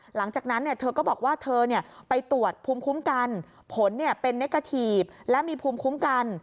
หลังจากนั้นเธอก็บอกว่าเธอไปตรวจภูมิคุ้มกันผลเป็นเนกกาทีฟและมีภูมิคุ้มกัน